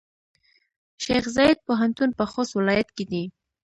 شیخزاید پوهنتون پۀ خوست ولایت کې دی.